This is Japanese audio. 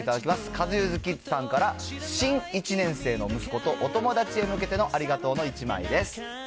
カズユズキッズさんから、新１年生の息子とお友達へ向けてのありがとうの１枚です。